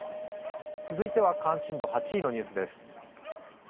続いては関心度８位のニュースです